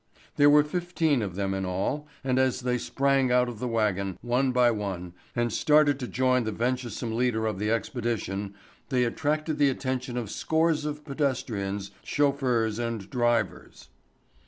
There were fifteen of them in all and as they sprang out of the wagon, one by one, and started to join the venturesome leader of the expedition they attracted the attention of scores of pedestrians, chauffeurs and drivers.